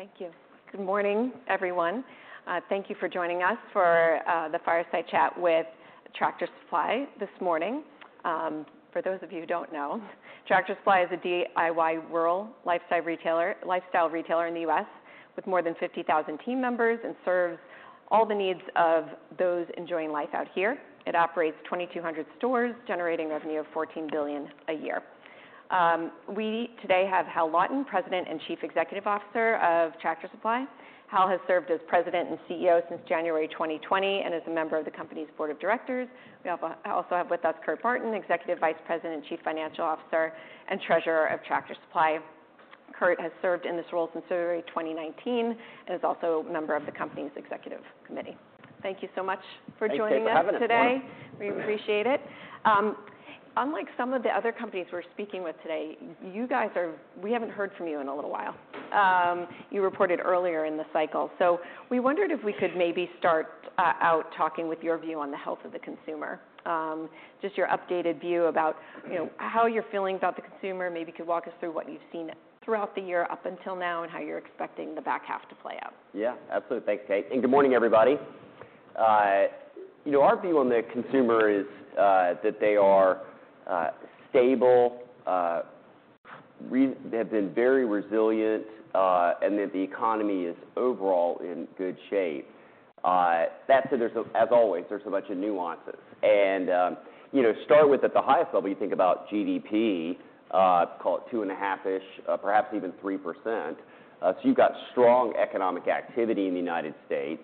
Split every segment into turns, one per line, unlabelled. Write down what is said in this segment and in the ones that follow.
Okay, thank you. Good morning, everyone. Thank you for joining us for the fireside chat with Tractor Supply this morning. For those of you who don't know, Tractor Supply is a DIY rural lifestyle retailer, lifestyle retailer in the U.S., with more than 50,000 team members, and serves all the needs of those enjoying life out here. It operates 2,200 stores, generating revenue of $14 billion a year. We today have Hal Lawton, President and Chief Executive Officer of Tractor Supply. Hal has served as President and CEO since January 2020, and is a member of the company's board of directors. We also have with us Kurt Barton, Executive Vice President and Chief Financial Officer and Treasurer of Tractor Supply. Kurt has served in this role since February 2019, and is also a member of the company's executive committee. Thank you so much for joining us today.
Thanks for having us.
We appreciate it. Unlike some of the other companies we're speaking with today, we haven't heard from you in a little while. You reported earlier in the cycle, so we wondered if we could maybe start out talking with your view on the health of the consumer. Just your updated view about, you know, how you're feeling about the consumer. Maybe you could walk us through what you've seen throughout the year up until now and how you're expecting the back half to play out.
Yeah, absolutely. Thanks, Kate, and good morning, everybody. You know, our view on the consumer is that they are stable. They have been very resilient, and that the economy is overall in good shape. That said, there's a... As always, there's a bunch of nuances. And, you know, start with at the highest level, you think about GDP, call it two and a half-ish, perhaps even 3%. So you've got strong economic activity in the United States.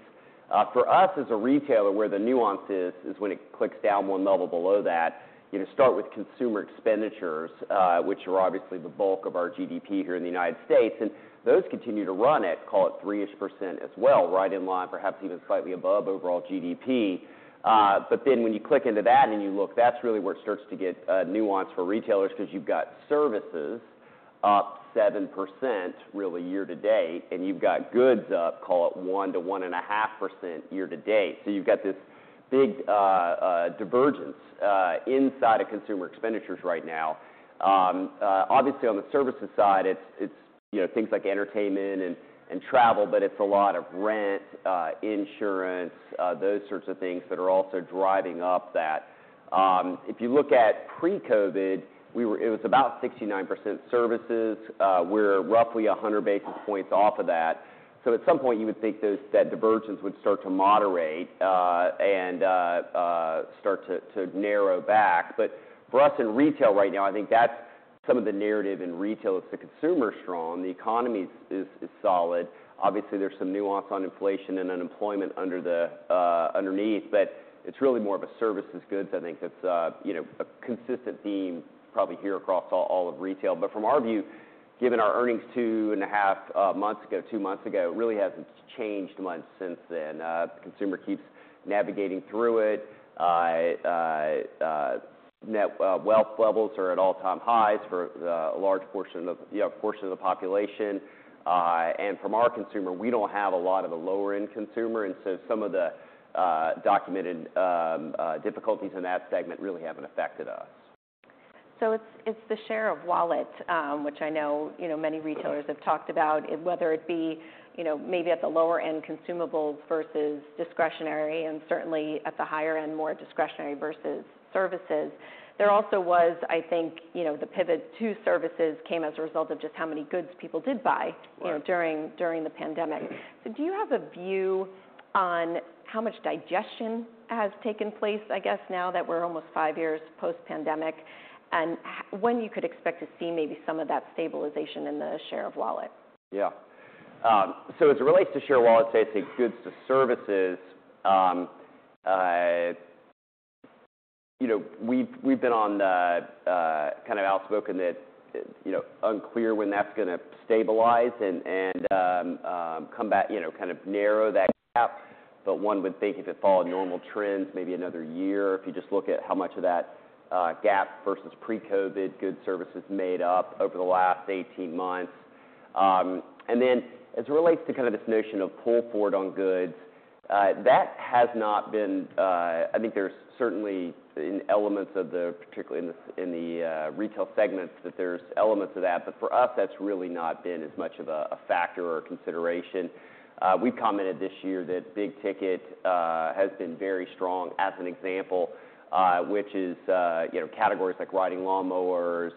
For us, as a retailer, where the nuance is, is when it clicks down one level below that. You know, start with consumer expenditures, which are obviously the bulk of our GDP here in the United States, and those continue to run at, call it 3%-ish as well, right in line, perhaps even slightly above overall GDP. But then when you click into that and you look, that's really where it starts to get nuanced for retailers, because you've got services up 7%, really, year to date, and you've got goods up, call it 1-1.5% year to date. You've got this big divergence inside of consumer expenditures right now. Obviously, on the services side, it's you know things like entertainment and travel, but it's a lot of rent, insurance, those sorts of things that are also driving up that. If you look at pre-COVID, it was about 69% services. We're roughly 100 basis points off of that. At some point, you would think that divergence would start to moderate and start to narrow back. But for us in retail right now, I think that's some of the narrative in retail: the consumer's strong, the economy is solid. Obviously, there's some nuance on inflation and unemployment underneath, but it's really more of a services goods, I think. That's you know, a consistent theme probably here across all of retail. But from our view, given our earnings two and a half months ago, two months ago, it really hasn't changed much since then. The consumer keeps navigating through it. Net wealth levels are at all-time highs for a large portion of the population. You know, and from our consumer, we don't have a lot of the lower-end consumer, and so some of the documented difficulties in that segment really haven't affected us.
So it's the share of wallet, which I know, you know, many retailers have talked about, whether it be, you know, maybe at the lower end, consumables versus discretionary, and certainly at the higher end, more discretionary versus services. There also was, I think, you know, the pivot to services came as a result of just how many goods people did buy-
Right...
you know, during the pandemic. So do you have a view on how much digestion has taken place, I guess, now that we're almost five years post-pandemic, and when you could expect to see maybe some of that stabilization in the share of wallet?
Yeah. So as it relates to share of wallet, say it's a goods to services, you know, we've been kind of outspoken that, you know, unclear when that's gonna stabilize and come back, you know, kind of narrow that gap. But one would think if it followed normal trends, maybe another year, if you just look at how much of that gap versus pre-COVID goods, services made up over the last 18 months. And then as it relates to kind of this notion of pull forward on goods, that has not been... I think there's certainly elements of that, particularly in the retail segments, but for us, that's really not been as much of a factor or consideration. We've commented this year that big ticket has been very strong, as an example, which is, you know, categories like riding lawn mowers,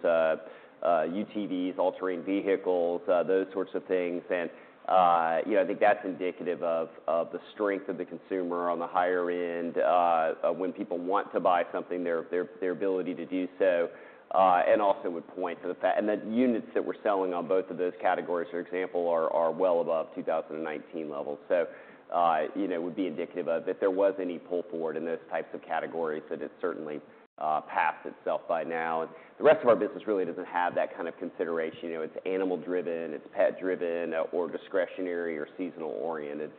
UTVs, all-terrain vehicles, those sorts of things. And you know, I think that's indicative of the strength of the consumer on the higher end. When people want to buy something, their ability to do so, and also would point to the fact. And the units that we're selling on both of those categories, for example, are well above 2019 levels. So, you know, it would be indicative of if there was any pull forward in those types of categories, that it's certainly passed itself by now. And the rest of our business really doesn't have that kind of consideration. You know, it's animal driven, it's pet driven, or discretionary or seasonal oriented.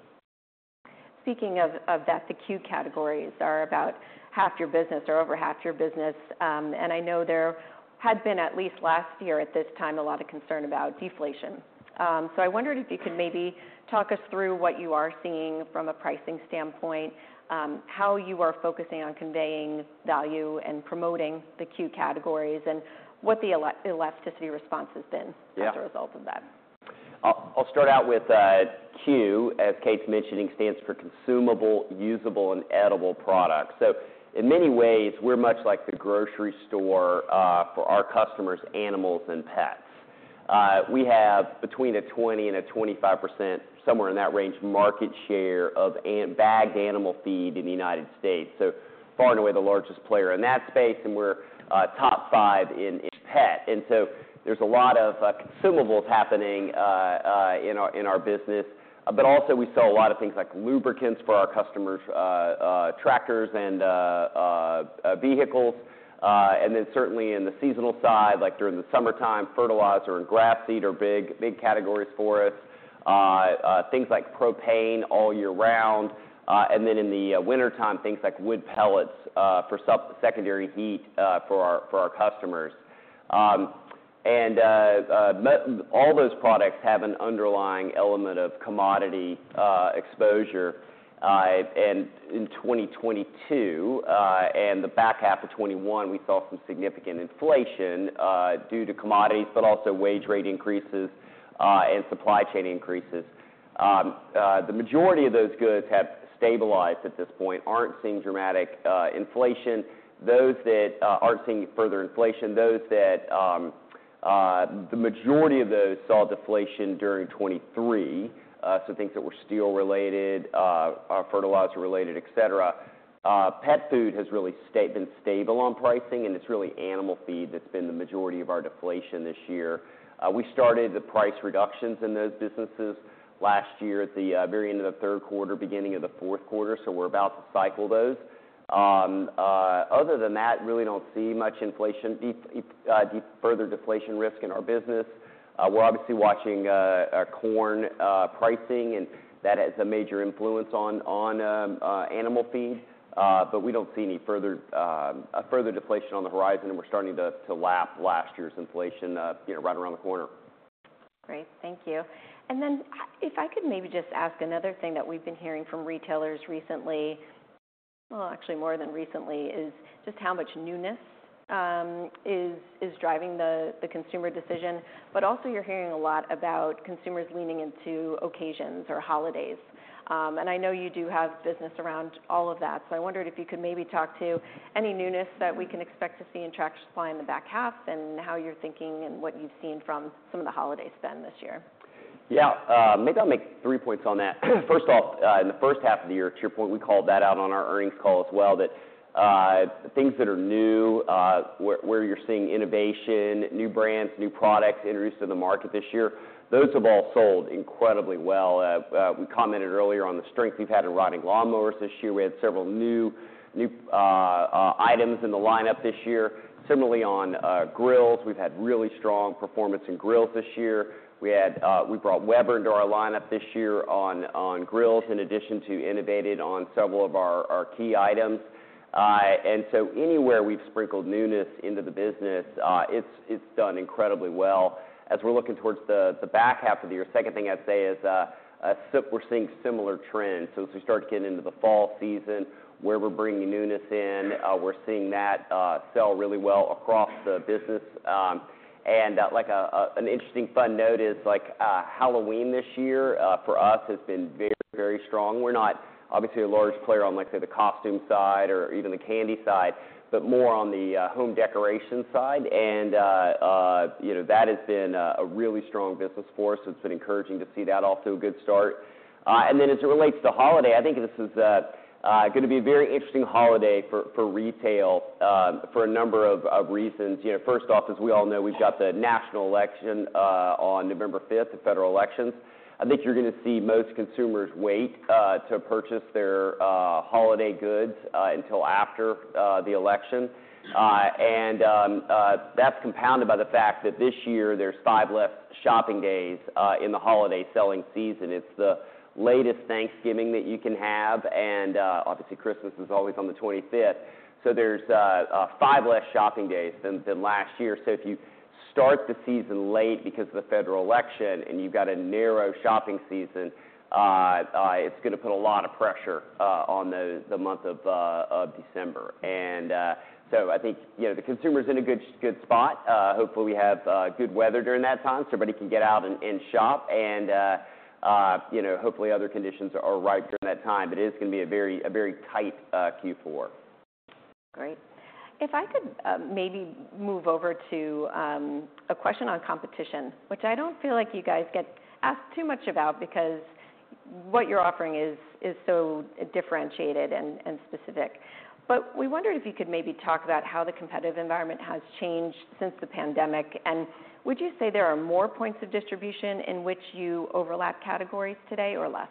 Speaking of that, the CUE categories are about half your business or over half your business. And I know there had been, at least last year at this time, a lot of concern about deflation. So I wondered if you could maybe talk us through what you are seeing from a pricing standpoint, how you are focusing on conveying value and promoting the CUE categories, and what the elasticity response has been-
Yeah...
as a result of that?...
I'll start out with CUE, as Kate's mentioning, stands for Consumable, Usable, and Edible Products. So in many ways, we're much like the grocery store for our customers, animals, and pets. We have between 20% and 25%, somewhere in that range, market share of bagged animal feed in the United States, so far and away the largest player in that space, and we're top five in pet. And so there's a lot of consumables happening in our business. But also, we sell a lot of things like lubricants for our customers' tractors and vehicles. And then certainly in the seasonal side, like during the summertime, fertilizer and grass seed are big, big categories for us. Things like propane all year round, and then in the wintertime, things like wood pellets for secondary heat for our customers. All those products have an underlying element of commodity exposure. And in 2022 and the back half of 2021, we saw some significant inflation due to commodities, but also wage rate increases and supply chain increases. The majority of those goods have stabilized at this point, aren't seeing dramatic inflation. Those that aren't seeing further inflation. The majority of those saw deflation during 2023, so things that were steel-related, fertilizer-related, et cetera. Pet food has really been stable on pricing, and it's really animal feed that's been the majority of our deflation this year. We started the price reductions in those businesses last year at the very end of the third quarter, beginning of the fourth quarter, so we're about to cycle those. Other than that, really don't see much inflation further deflation risk in our business. We're obviously watching corn pricing, and that has a major influence on animal feed. But we don't see any further deflation on the horizon, and we're starting to lap last year's inflation, you know, right around the corner.
Great, thank you. And then, if I could maybe just ask another thing that we've been hearing from retailers recently, well, actually, more than recently, is just how much newness is driving the consumer decision. But also you're hearing a lot about consumers leaning into occasions or holidays. And I know you do have business around all of that, so I wondered if you could maybe talk to any newness that we can expect to see in Tractor Supply in the back half and how you're thinking and what you've seen from some of the holiday spend this year.
Yeah, maybe I'll make three points on that. First off, in the first half of the year, to your point, we called that out on our earnings call as well, that things that are new, where you're seeing innovation, new brands, new products introduced to the market this year, those have all sold incredibly well. We commented earlier on the strength we've had in riding lawnmowers this year. We had several new items in the lineup this year. Similarly, on grills, we've had really strong performance in grills this year. We brought Weber into our lineup this year on grills, in addition to innovated on several of our key items, and so anywhere we've sprinkled newness into the business, it's done incredibly well. As we're looking towards the back half of the year, second thing I'd say is we're seeing similar trends. So as we start getting into the fall season, where we're bringing newness in, we're seeing that sell really well across the business. And like an interesting fun note is, like, Halloween this year, for us, has been very, very strong. We're not obviously a large player on, like, say, the costume side or even the candy side, but more on the home decoration side, and you know, that has been a really strong business for us. It's been encouraging to see that off to a good start. And then as it relates to holiday, I think this is going to be a very interesting holiday for retail for a number of reasons. You know, first off, as we all know, we've got the national election on November fifth, the federal elections. I think you're going to see most consumers wait to purchase their holiday goods until after the election. And that's compounded by the fact that this year there's five less shopping days in the holiday selling season. It's the latest Thanksgiving that you can have, and obviously, Christmas is always on the twenty-fifth. So there's five less shopping days than last year. So if you start the season late because of the federal election and you've got a narrow shopping season, it's gonna put a lot of pressure on the month of December. And so I think, you know, the consumer's in a good spot. Hopefully, we have good weather during that time, so everybody can get out and shop and, you know, hopefully other conditions are ripe during that time. But it is gonna be a very tight Q4.
Great. If I could maybe move over to a question on competition, which I don't feel like you guys get asked too much about because what you're offering is so differentiated and specific. But we wondered if you could maybe talk about how the competitive environment has changed since the pandemic, and would you say there are more points of distribution in which you overlap categories today or less?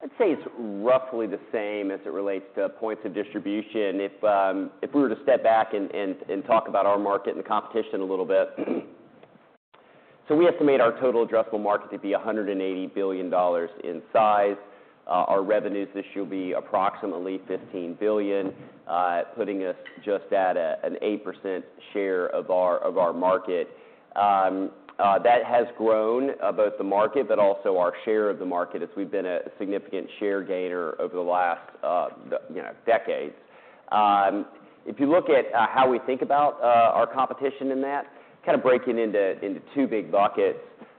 I'd say it's roughly the same as it relates to points of distribution. If we were to step back and talk about our market and the competition a little bit, so we estimate our total addressable market to be $180 billion in size. Our revenues this year will be approximately $15 billion, putting us just at an 8% share of our market. That has grown, both the market but also our share of the market, as we've been a significant share gainer over the last, you know, decades. If you look at how we think about our competition in that, kind of break it into two big buckets.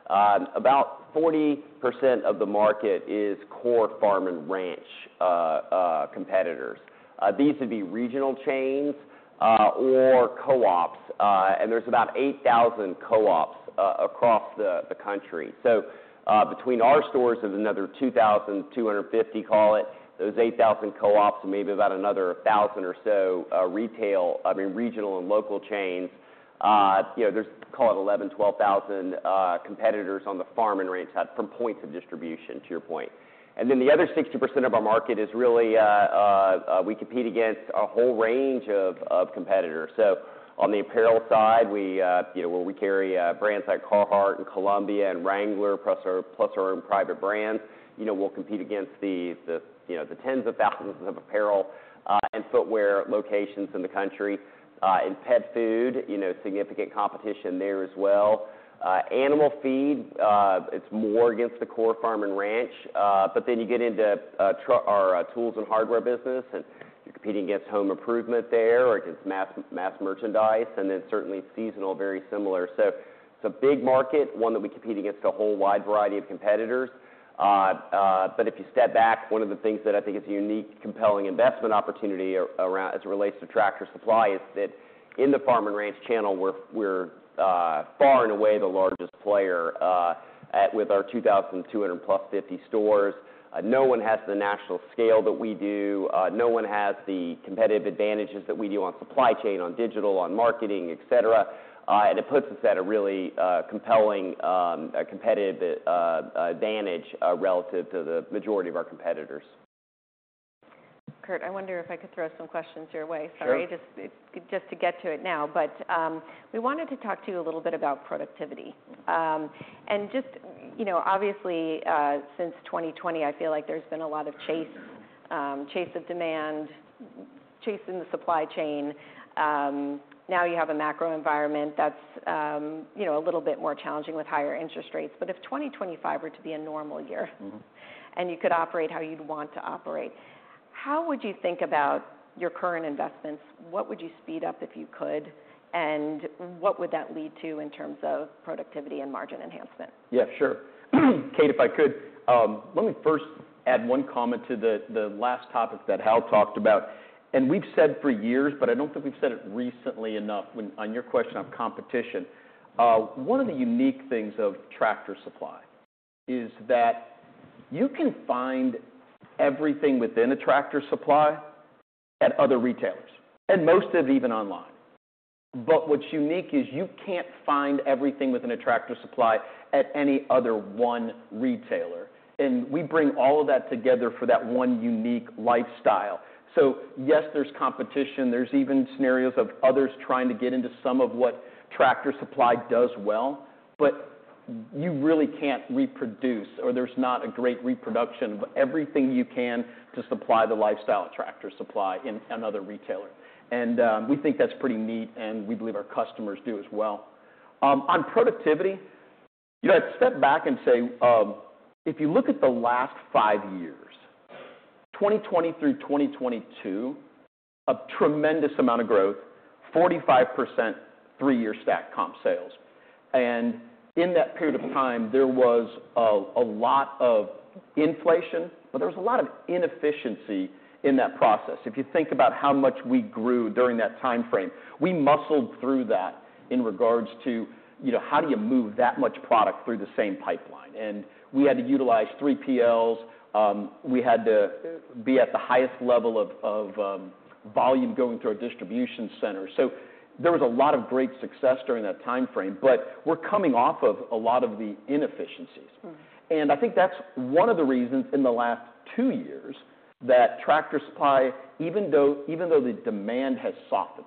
About 40% of the market is core farm and ranch competitors. These would be regional chains or co-ops, and there's about 8,000 co-ops across the country. Between our stores, there's another 2,250, call it, those 8,000 co-ops, and maybe about another 1,000 or so, I mean, regional and local chains. You know, there's, call it 11-12 thousand competitors on the farm and ranch side from points of distribution, to your point. Then the other 60% of our market is really, we compete against a whole range of competitors. So on the apparel side, we, you know, where we carry brands like Carhartt, and Columbia, and Wrangler, plus our own private brands, you know, we'll compete against the, the, you know, the tens of thousands of apparel and footwear locations in the country. In pet food, you know, significant competition there as well. Animal feed, it's more against the core farm and ranch, but then you get into our tools and hardware business, and you're competing against home improvement there, or against mass merchandise, and then certainly seasonal, very similar, so it's a big market, one that we compete against a whole wide variety of competitors. But if you step back, one of the things that I think is a unique, compelling investment opportunity around as it relates to Tractor Supply, is that in the farm and ranch channel, we're far and away the largest player, with our 2,200 plus 50 stores. No one has the national scale that we do. No one has the competitive advantages that we do on supply chain, on digital, on marketing, et cetera. And it puts us at a really, compelling, a competitive advantage, relative to the majority of our competitors.
Kurt, I wonder if I could throw some questions your way.
Sure.
Sorry, just to get to it now, but we wanted to talk to you a little bit about productivity. And just, you know, obviously, since 2020, I feel like there's been a lot of chase of demand, chase in the supply chain. Now you have a macro environment that's, you know, a little bit more challenging with higher interest rates. But if 2025 were to be a normal year-
Mm-hmm.
And you could operate how you'd want to operate, how would you think about your current investments? What would you speed up if you could, and what would that lead to in terms of productivity and margin enhancement?
Yeah, sure. Kate, if I could, let me first add one comment to the last topic that Hal talked about, and we've said for years, but I don't think we've said it recently enough when, on your question on competition. One of the unique things of Tractor Supply is that you can find everything within a Tractor Supply at other retailers, and most of it even online, but what's unique is you can't find everything within a Tractor Supply at any other one retailer, and we bring all of that together for that one unique lifestyle, so yes, there's competition. There's even scenarios of others trying to get into some of what Tractor Supply does well, but you really can't reproduce, or there's not a great reproduction of everything you can to supply the lifestyle of Tractor Supply in another retailer. We think that's pretty neat, and we believe our customers do as well. On productivity, you have to step back and say, if you look at the last five years, 2020 through 2022, a tremendous amount of growth, 45%, three-year stack comp sales. In that period of time, there was a lot of inflation, but there was a lot of inefficiency in that process. If you think about how much we grew during that time frame, we muscled through that in regards to, you know, how do you move that much product through the same pipeline? We had to utilize 3PLs. We had to be at the highest level of volume going through our distribution center. So there was a lot of great success during that time frame, but we're coming off of a lot of the inefficiencies.
Mm.
I think that's one of the reasons in the last two years that Tractor Supply, even though the demand has softened,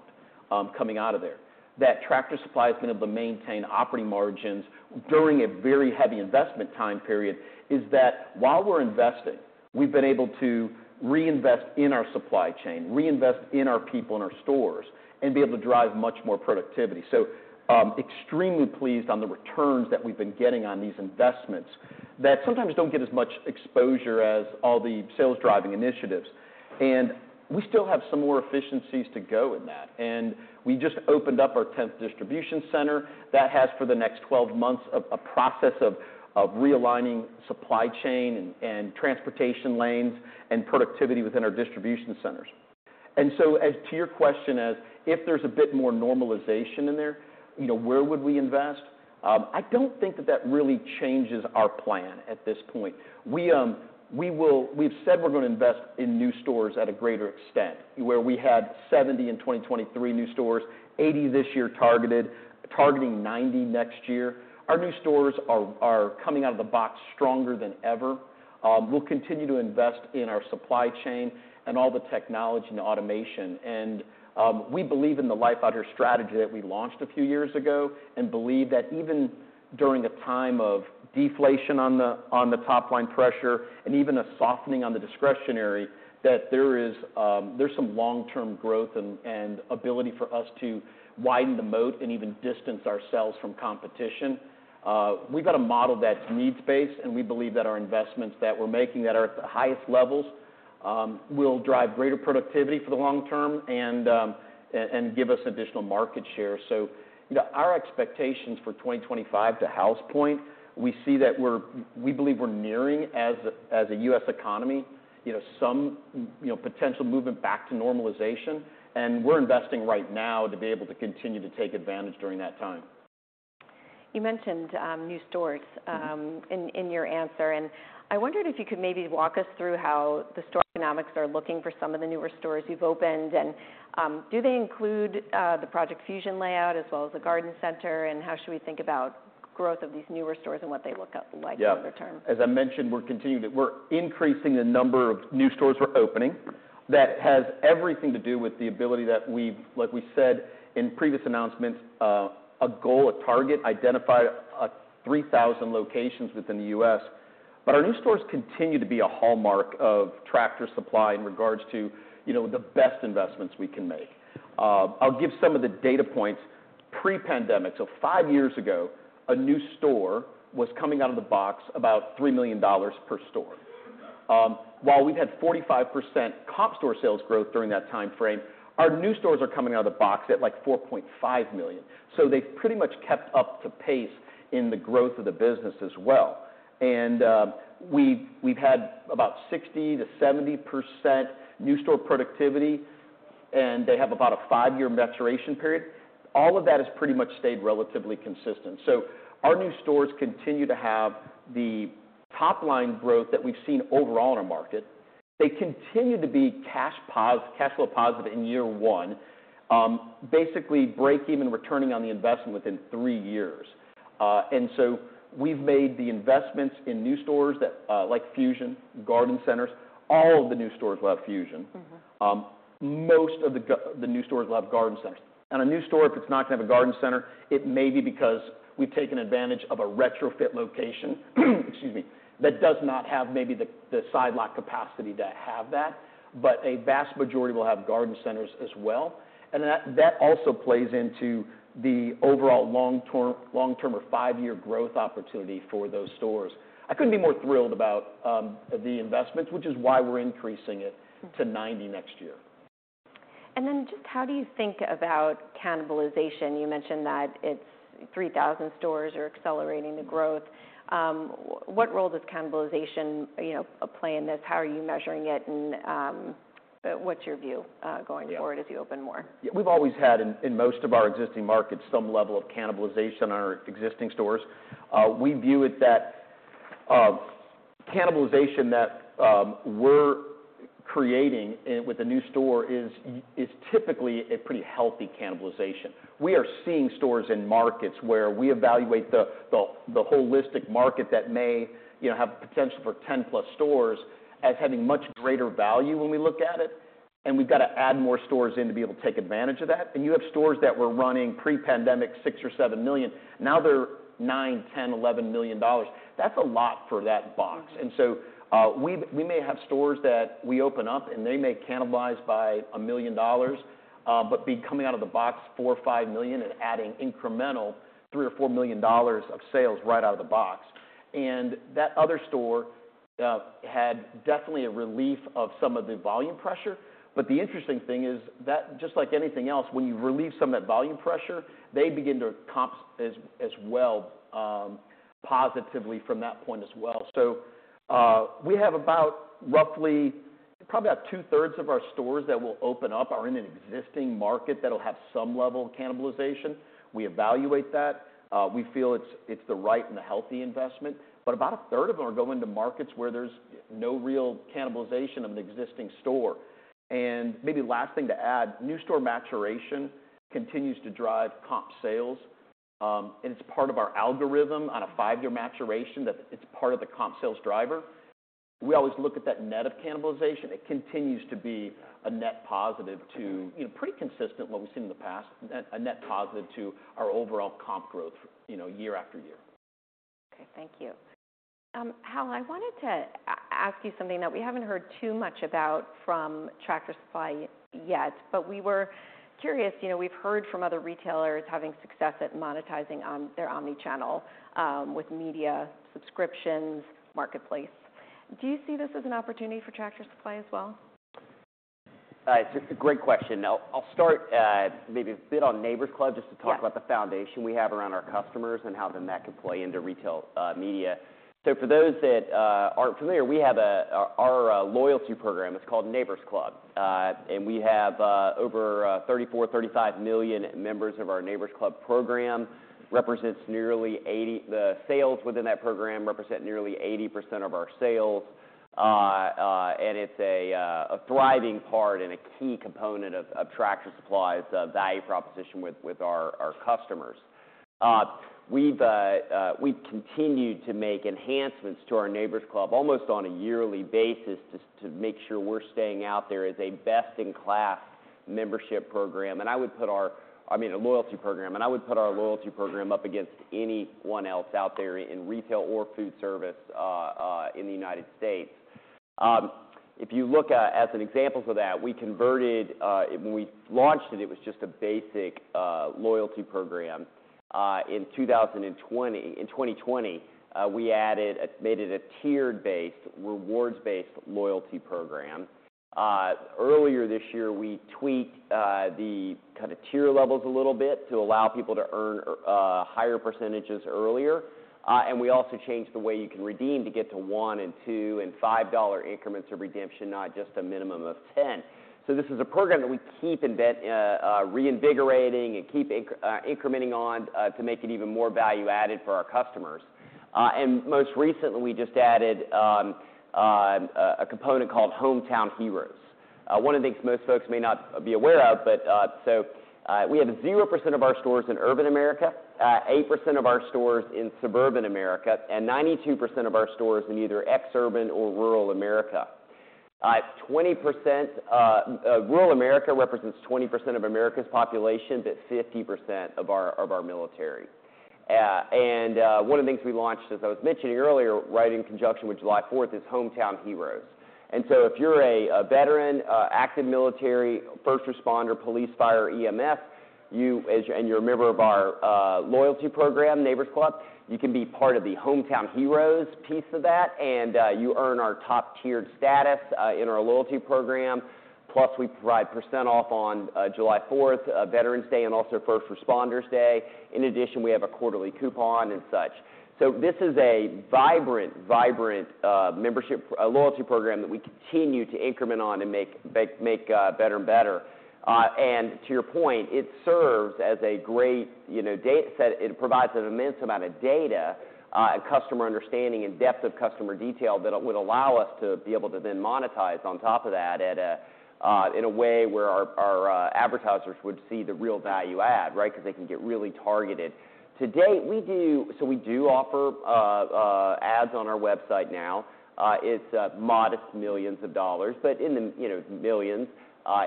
coming out of there, that Tractor Supply has been able to maintain operating margins during a very heavy investment time period, is that while we're investing, we've been able to reinvest in our supply chain, reinvest in our people, in our stores, and be able to drive much more productivity. So, extremely pleased on the returns that we've been getting on these investments that sometimes don't get as much exposure as all the sales-driving initiatives. And we still have some more efficiencies to go in that. And we just opened up our tenth distribution center that has, for the next 12 months, a process of realigning supply chain and transportation lanes and productivity within our distribution centers. And so as to your question, as if there's a bit more normalization in there, you know, where would we invest? I don't think that really changes our plan at this point. We've said we're going to invest in new stores at a greater extent, where we had 70 in 2023 new stores, 80 this year targeted, targeting 90 next year. Our new stores are coming out of the box stronger than ever. We'll continue to invest in our supply chain and all the technology and automation. We believe in the Life Out Here strategy that we launched a few years ago, and believe that even during a time of deflation on the top-line pressure and even a softening on the discretionary, that there is some long-term growth and ability for us to widen the moat and even distance ourselves from competition. We've got a model that's needs-based, and we believe that our investments that we're making at our highest levels will drive greater productivity for the long term and give us additional market share. So, you know, our expectations for 2025 outlook, we see that we believe we're nearing, as a US economy, you know, some potential movement back to normalization, and we're investing right now to be able to continue to take advantage during that time.
You mentioned new stores in your answer, and I wondered if you could maybe walk us through how the store economics are looking for some of the newer stores you've opened. And, do they include the Project Fusion layout as well as the garden center, and how should we think about growth of these newer stores and what they look like?
Yeah
-over time?
As I mentioned, we're increasing the number of new stores we're opening. That has everything to do with the ability like we said in previous announcements, a goal, a target identified three thousand locations within the U.S. But our new stores continue to be a hallmark of Tractor Supply in regards to, you know, the best investments we can make. I'll give some of the data points pre-pandemic. So five years ago, a new store was coming out of the box about $3 million per store. While we've had 45% comp store sales growth during that time frame, our new stores are coming out of the box at, like, $4.5 million. So they've pretty much kept up to pace in the growth of the business as well. And we've had about 60%-70% new store productivity, and they have about a five-year maturation period. All of that has pretty much stayed relatively consistent. So our new stores continue to have the top-line growth that we've seen overall in our market. They continue to be cash flow positive in year one, basically break even, returning on the investment within three years. And so we've made the investments in new stores that, like Fusion, garden centers. All of the new stores love Fusion.
Mm-hmm.
Most of the new stores love garden centers. A new store, if it's not going to have a garden center, it may be because we've taken advantage of a retrofit location, excuse me, that does not have maybe the side lot capacity to have that, but a vast majority will have garden centers as well. That also plays into the overall long-term or five-year growth opportunity for those stores. I couldn't be more thrilled about the investments, which is why we're increasing it-
Mm-hmm.
to 90 next year.
Just how do you think about cannibalization? You mentioned that it's 3,000 stores are accelerating the growth. What role does cannibalization, you know, play in this? How are you measuring it, and what's your view going-
Yeah
Forward as you open more?
Yeah, we've always had in most of our existing markets, some level of cannibalization on our existing stores. We view it that cannibalization that we're creating with a new store is typically a pretty healthy cannibalization. We are seeing stores in markets where we evaluate the holistic market that may, you know, have potential for 10 plus stores, as having much greater value when we look at it, and we've got to add more stores in to be able to take advantage of that. You have stores that were running pre-pandemic, six or seven million, now they're nine, ten, eleven million dollars. That's a lot for that box.
Mm-hmm.
And so, we may have stores that we open up, and they may cannibalize by $1 million, but be coming out of the box $4-5 million and adding incremental $3-4 million of sales right out of the box. And that other store had definitely a relief of some of the volume pressure. But the interesting thing is that just like anything else, when you relieve some of that volume pressure, they begin to comp as well, positively from that point as well. So, we have about roughly, probably about two-thirds of our stores that will open up, are in an existing market that'll have some level of cannibalization. We evaluate that. We feel it's the right and the healthy investment, but about a third of them are going to markets where there's no real cannibalization of an existing store. And maybe last thing to add, new store maturation continues to drive comp sales, and it's part of our algorithm on a five-year maturation, that it's part of the comp sales driver. We always look at that net of cannibalization. It continues to be a net positive to-
Mm-hmm.
You know, pretty consistent with what we've seen in the past, a net positive to our overall comp growth, you know, year after year.
Okay, thank you. Hal, I wanted to ask you something that we haven't heard too much about from Tractor Supply yet, but we were curious. You know, we've heard from other retailers having success at monetizing on their omni-channel with media, subscriptions, marketplace. Do you see this as an opportunity for Tractor Supply as well?
It's a great question. Now, I'll start, maybe a bit on Neighbor's Club-
Yeah
just to talk about the foundation we have around our customers and how then that can play into retail media. So for those that aren't familiar, our loyalty program is called Neighbor's Club. And we have over 34-35 million members of our Neighbor's Club program. The sales within that program represent nearly 80% of our sales. And it's a thriving part and a key component of Tractor Supply's value proposition with our customers. We've continued to make enhancements to our Neighbor's Club almost on a yearly basis, just to make sure we're staying out there as a best-in-class membership program. And I would put our... I mean, a loyalty program, and I would put our loyalty program up against anyone else out there in retail or food service, in the United States. If you look at, as an example for that, we converted when we launched it. It was just a basic loyalty program. In two thousand and twenty, in twenty twenty, we added, made it a tiered-based, rewards-based loyalty program. Earlier this year, we tweaked the kind of tier levels a little bit to allow people to earn higher percentages earlier. And we also changed the way you can redeem to get to $1 and $2 and $5 increments of redemption, not just a minimum of $10. So this is a program that we keep reinvigorating and keep incrementing on, to make it even more value-added for our customers. And most recently, we just added a component called Hometown Heroes. One of the things most folks may not be aware of, but, so, we have 0% of our stores in urban America, 8% of our stores in suburban America, and 92% of our stores in either ex-urban or rural America. Twenty percent, rural America represents 20% of America's population, but 50% of our military. And, one of the things we launched, as I was mentioning earlier, right in conjunction with July Fourth, is Hometown Heroes. If you're a veteran, active military, first responder, police, fire, or EMS, and you're a member of our loyalty program, Neighbor's Club, you can be part of the Hometown Heroes piece of that, and you earn our top-tiered status in our loyalty program. Plus, we provide percent off on July Fourth, Veterans Day, and also First Responders Day. In addition, we have a quarterly coupon and such. This is a vibrant membership loyalty program that we continue to increment on and make better and better. And to your point, it serves as a great, you know, data set. It provides an immense amount of data, and customer understanding and depth of customer detail that it would allow us to be able to then monetize on top of that at a, in a way where our advertisers would see the real value add, right? Because they can get really targeted. To date, we do... So we do offer ads on our website now. It's modest millions of dollars, but in the, you know, millions,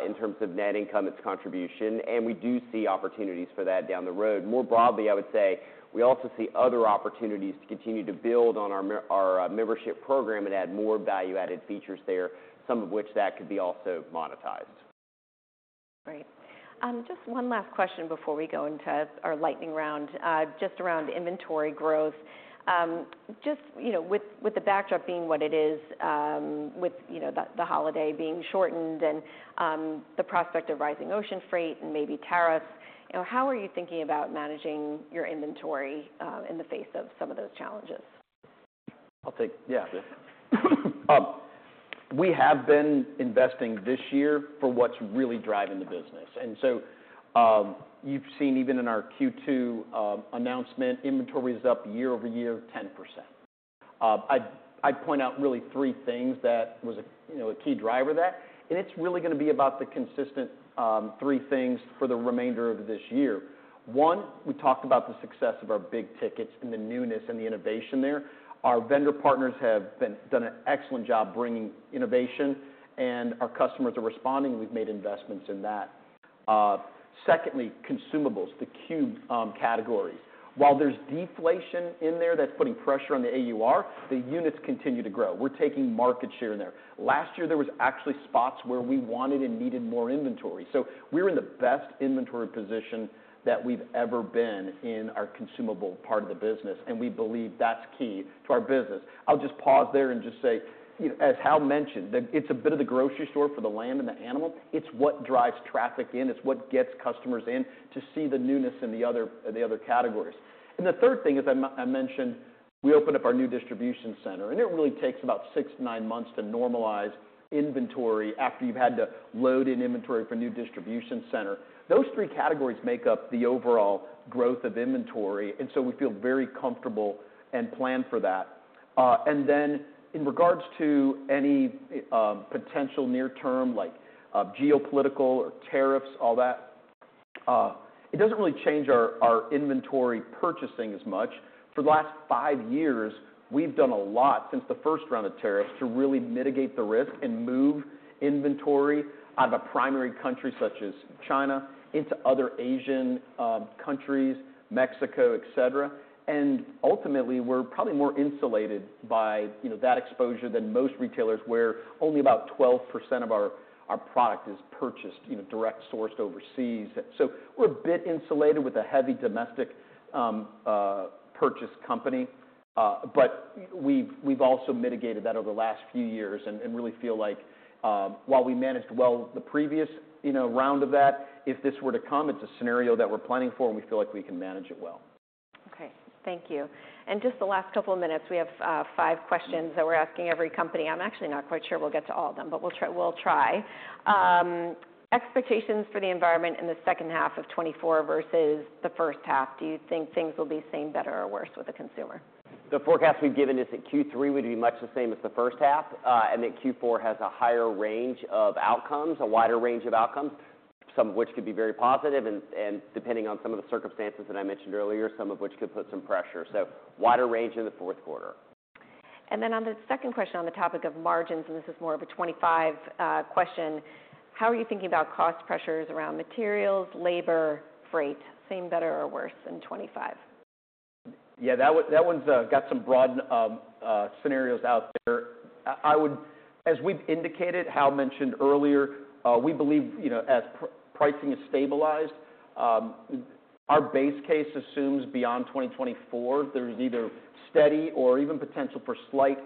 in terms of net income, its contribution, and we do see opportunities for that down the road. More broadly, I would say, we also see other opportunities to continue to build on our membership program and add more value-added features there, some of which that could be also monetized.
Great. Just one last question before we go into our lightning round. Just around inventory growth. Just, you know, with the backdrop being what it is, with, you know, the holiday being shortened and, the prospect of rising ocean freight and maybe tariffs, you know, how are you thinking about managing your inventory, in the face of some of those challenges?
Yeah. We have been investing this year for what's really driving the business. And so, you've seen even in our Q2 announcement, inventory is up year over year, 10%. I'd point out really three things that was, you know, a key driver there, and it's really gonna be about the consistent three things for the remainder of this year. One, we talked about the success of our big tickets and the newness and the innovation there. Our vendor partners have done an excellent job bringing innovation, and our customers are responding. We've made investments in that. Secondly, consumables, the CUE categories. While there's deflation in there, that's putting pressure on the AUR, the units continue to grow. We're taking market share in there. Last year, there was actually spots where we wanted and needed more inventory. So we're in the best inventory position that we've ever been in our consumable part of the business, and we believe that's key to our business. I'll just pause there and just say, you know, as Hal mentioned, that it's a bit of the grocery store for the land and the animal. It's what drives traffic in, it's what gets customers in to see the newness in the other categories. And the third thing, as I mentioned, we opened up our new distribution center, and it really takes about six to nine months to normalize inventory after you've had to load in inventory for a new distribution center. Those three categories make up the overall growth of inventory, and so we feel very comfortable and plan for that. And then in regards to any potential near term, like, geopolitical or tariffs, all that, it doesn't really change our inventory purchasing as much. For the last five years, we've done a lot since the first round of tariffs to really mitigate the risk and move inventory out of a primary country, such as China, into other Asian countries, Mexico, et cetera. And ultimately, we're probably more insulated by, you know, that exposure than most retailers, where only about 12% of our product is purchased, you know, direct sourced overseas. So we're a bit insulated with a heavy domestic purchase company. But we've also mitigated that over the last few years and really feel like, while we managed well the previous, you know, round of that, if this were to come, it's a scenario that we're planning for, and we feel like we can manage it well.
Okay, thank you. And just the last couple of minutes, we have five questions that we're asking every company. I'm actually not quite sure we'll get to all of them, but we'll try, we'll try. Expectations for the environment in the second half of twenty-four versus the first half, do you think things will be same, better, or worse with the consumer?
The forecast we've given is that Q3 would be much the same as the first half, and that Q4 has a higher range of outcomes, a wider range of outcomes. Some of which could be very positive, and, and depending on some of the circumstances that I mentioned earlier, some of which could put some pressure. So wider range in the fourth quarter.
On the second question on the topic of margins, and this is more of a 2025 question: How are you thinking about cost pressures around materials, labor, freight? Same, better, or worse than 2025?...
Yeah, that one got some broad scenarios out there. I would as we've indicated, Hal mentioned earlier, we believe, you know, as pricing is stabilized, our base case assumes beyond twenty twenty-four, there's either steady or even potential for slight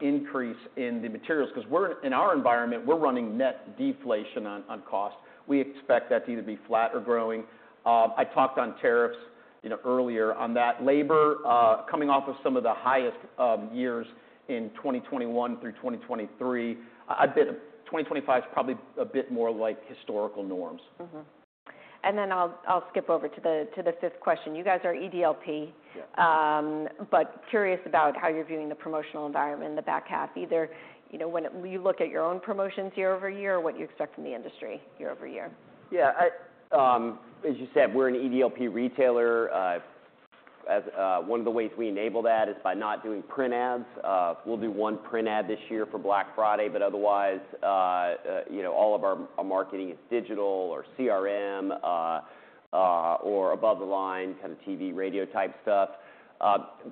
increase in the materials. 'Cause we're in our environment, we're running net deflation on cost. We expect that to either be flat or growing. I talked on tariffs, you know, earlier on that. Labor coming off of some of the highest years in twenty twenty-one through twenty twenty-three, I bet twenty twenty-five is probably a bit more like historical norms.
Mm-hmm. And then I'll skip over to the fifth question. You guys are EDLP.
Yeah.
But curious about how you're viewing the promotional environment in the back half either, you know, when you look at your own promotions year over year, or what you expect from the industry year over year?
Yeah, I, as you said, we're an EDLP retailer. As one of the ways we enable that is by not doing print ads. We'll do one print ad this year for Black Friday, but otherwise, you know, all of our marketing is digital or CRM, or above the line, kind of TV, radio type stuff.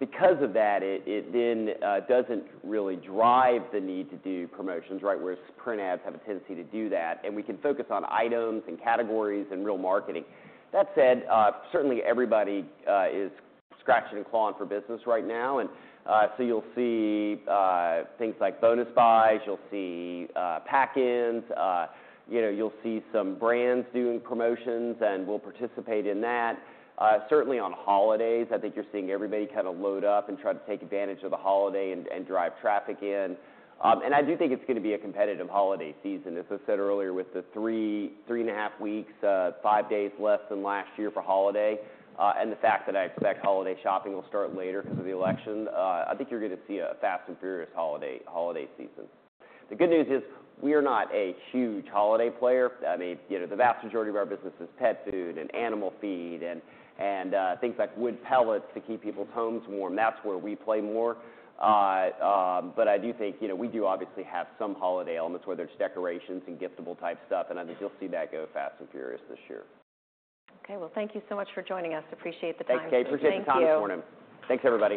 Because of that, it then doesn't really drive the need to do promotions, right? Whereas print ads have a tendency to do that, and we can focus on items and categories and real marketing. That said, certainly everybody is scratching and clawing for business right now, and so you'll see things like bonus buys, you'll see pack-ins, you know, you'll see some brands doing promotions, and we'll participate in that. Certainly on holidays, I think you're seeing everybody kind of load up and try to take advantage of the holiday and drive traffic in. And I do think it's gonna be a competitive holiday season. As I said earlier, with the three and a half weeks, five days less than last year for holiday, and the fact that I expect holiday shopping will start later because of the election, I think you're gonna see a fast and furious holiday season. The good news is, we are not a huge holiday player. I mean, you know, the vast majority of our business is pet food and animal feed and things like wood pellets to keep people's homes warm. That's where we play more. But I do think, you know, we do obviously have some holiday elements, whether it's decorations and giftable type stuff, and I think you'll see that go fast and furious this year.
Thank you so much for joining us. Appreciate the time.
Thanks, Kate.
Thank you.
Appreciate the time this morning. Thanks, everybody.